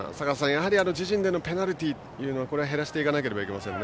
やはり自陣でのペナルティーは減らしていかなければいけません。